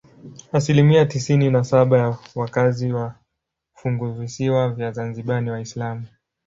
Asilimia tisini na saba ya wakazi wa funguvisiwa vya Zanzibar ni Waislamu.